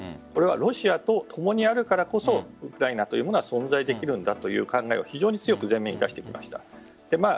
これはロシアと共にあるからこそウクライナは存在できるんだという考えを非常に強く前面に出してきました。